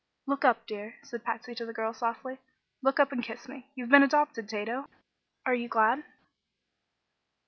"Look up, dear," said Patsy to the girl, softly; "look up and kiss me. You've been adopted, Tato! Are you glad?"